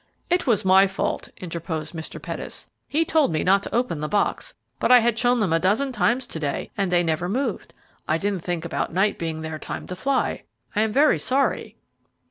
"It was my fault," interposed Mr. Pettis. "He told me not to open the box, but I had shown them a dozen times to day and they never moved. I didn't think about night being their time to fly. I am very sorry."